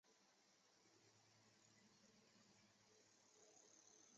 同时这也标志着两位大作曲家终身友谊的开始。